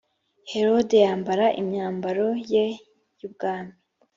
herode yambara imyambaro ye y ubwami